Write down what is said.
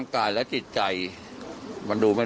มันไม่ใช่อ้วกเพราะ